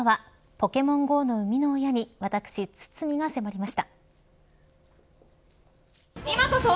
ポケモンＧＯの生みの親に私堤が迫りました。